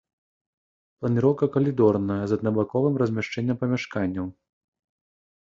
Планіроўка калідорная з аднабаковым размяшчэннем памяшканняў.